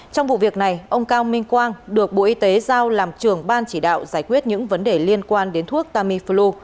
trong vụ việc này ông cao minh quang được bộ y tế giao làm trưởng ban chỉ đạo giải quyết những vấn đề liên quan đến thuốc tamiflu